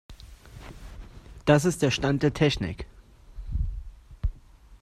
Das ist der Stand der Technik.